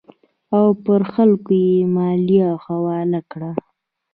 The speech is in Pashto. او پر خلکو یې مالیه حواله کړه.